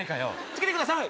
つけてください。